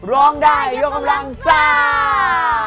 ร้องได้ยกกำลังซ่า